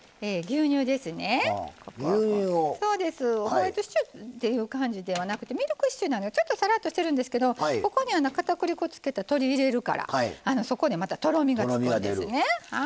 ホワイトシチューっていう感じではなくてミルクシチューなんでちょっとさらっとしてるんですけどここにかたくり粉つけた鶏入れるからそこでまたとろみがつくんですね。